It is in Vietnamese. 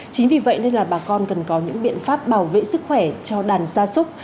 chính vì vậy nên là bà con cần có những biện pháp bảo vệ sức khỏe cho đàn gia súc